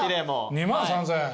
２万３，０００円。